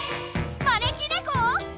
まねきねこ！？